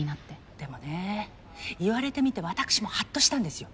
でもね言われてみて私もはっとしたんですよ。